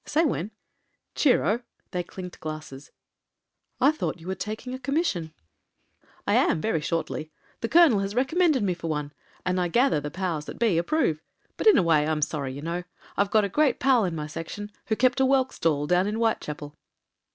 Say when." "Cheer oh!" They clinked glasses. "I thought you were taking a commission." 265 266 MEN, WOMEN AND GUNS "I am — ^very shortlyr The colonel has recom mended me for one, and I gather the powers that be approve. But in a way I'm sorry, you know. I've got a great pal in my section — ^who kept a whelk stall down in Whitechapel."